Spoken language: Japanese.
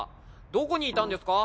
どこにいたんですか？